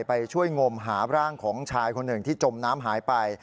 ไปช่วยงมหาร่างของชายคนหนึ่งที่จมน้ำหายไป